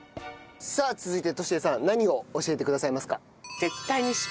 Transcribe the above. さあ続いてとし江さん何を教えてくださいますか？